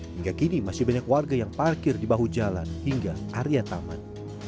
hingga kini masih banyak warga yang parkir di bahu jalan hingga area taman